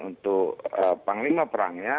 untuk panglima perangnya